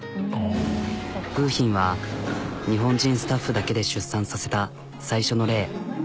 楓浜は日本人スタッフだけで出産させた最初の例。